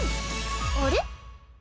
あれ？